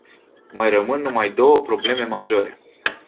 Mai rămân numai două probleme majore.